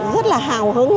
rất là hào hứng